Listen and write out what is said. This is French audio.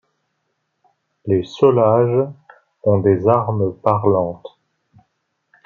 Les Solages ont des armes parlantes.